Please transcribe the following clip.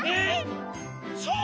そう。